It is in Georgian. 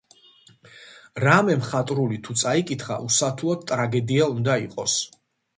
რამე მხატვრული თუ წაიკითხა, უსათუოდ ტრაგედია უნდა იყოს.